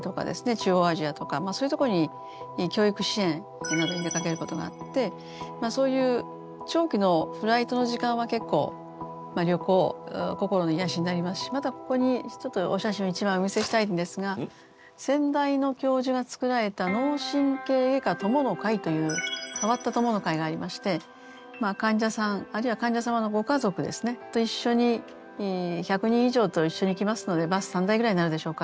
中央アジアとかそういうとこに教育支援などに出かけることがあってそういう長期のフライトの時間は結構旅行心の癒やしになりますしまたここにちょっとお写真を一枚お見せしたいんですが先代の教授がつくられた脳神経外科友の会という変わった友の会がありまして患者さんあるいは患者様のご家族ですねと一緒に１００人以上と一緒に行きますのでバス３台ぐらいになるでしょうか。